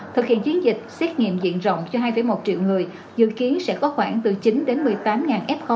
thực hiện chiến dịch xét nghiệm diện rộng cho hai một triệu người dự kiến sẽ có khoảng từ chín đến một mươi tám f một